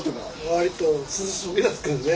割と涼しげですけどね。